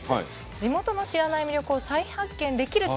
地元の知らない魅力を再発見できると。